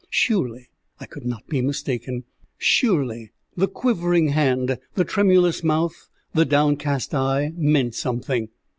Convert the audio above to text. Surely I could not be mistaken! Surely the quivering hand, the tremulous mouth, the downcast eye, meant something!